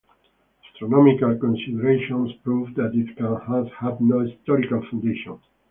Astronomical considerations prove that it can have had no historical foundation.